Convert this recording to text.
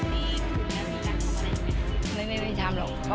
ไม่ก้วยไม่ทำเปล่า